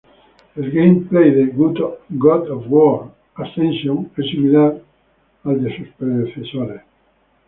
El gameplay de "God of War: Ascension" es similar al de sus predecesores.